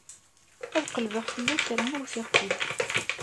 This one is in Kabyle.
Ad qellbeɣ fell-as arma ufiɣ-t-id.